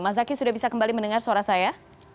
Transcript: mas zaky sudah bisa kembali mendengar suara saya